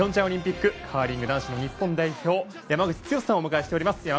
オリンピックカーリング男子の日本代表山口剛史さんをお迎えしております。